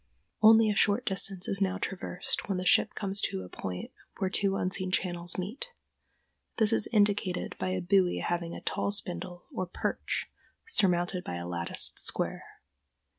Only a short distance is now traversed when the ship comes to a point where two unseen channels meet. This is indicated by a buoy having a tall spindle, or "perch," surmounted by a latticed square.